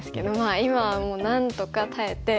今はもうなんとか耐えて頑張って。